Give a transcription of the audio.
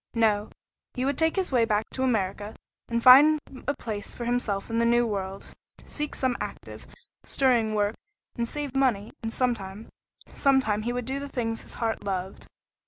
No, he would take his way back to America, and find a place for himself in the new world; seek some active, stirring work, and save money, and sometime sometime he would do the things his heart loved.